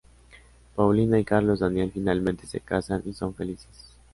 Paulina y Carlos Daniel finalmente se casan y son felices.